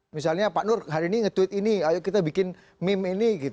misalnya pak nur hari ini nge tweet ini ayo kita bikin meme ini gitu